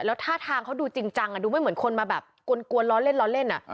แล้วท่าทางเขาดูจริงจังดูไม่เหมือนคนมาแบบกวนล้อเล่นล้อเล่น